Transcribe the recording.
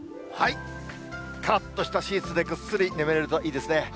からっとしたシーツでぐっすり眠れるといいですね。